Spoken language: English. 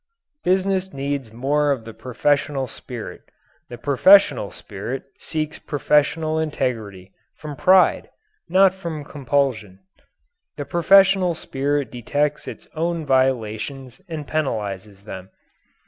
Business needs more of the professional spirit. The professional spirit seeks professional integrity, from pride, not from compulsion. The professional spirit detects its own violations and penalizes them.